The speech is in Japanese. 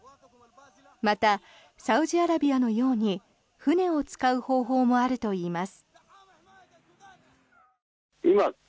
また、サウジアラビアのように船を使う方法もあるといいます。